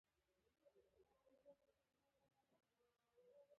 یو ډول لوېدلي او ناځوانه اعمال دود شوي دي.